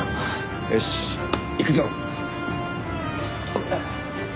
よし行くぞ。